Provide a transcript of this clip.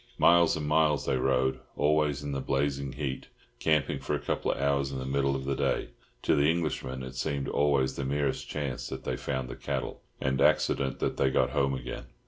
Miles and miles they rode, always in the blazing heat, camping for a couple of hours in the middle of the day. To the Englishman it seemed always the merest chance that they found the cattle, and accident that they got home again.